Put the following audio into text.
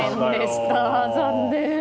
残念。